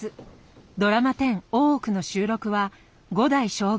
ドラマ１０「大奥」の収録は五代将軍